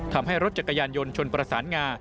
ทำให้รถจักรยานยนต์ชนประสานงา